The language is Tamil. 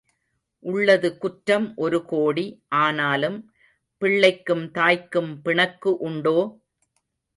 உள்ளது குற்றம் ஒரு கோடி ஆனாலும் பிள்ளைக்கும் தாய்க்கும் பிணக்கு உண்டோ?